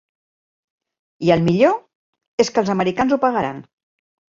I el millor és que els americans ho pagaran!